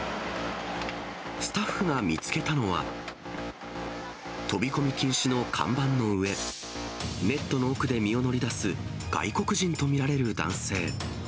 スタッフが見つけたのは、飛び込み禁止の看板の上、ネットの奥で身を乗り出す、外国人と見られる男性。